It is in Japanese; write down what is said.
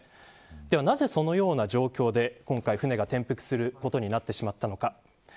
ではなぜそのような状況で今回舟が転覆することになってしまったのか。